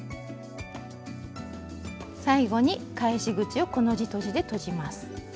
最後に返し口を「コの字とじ」でとじます。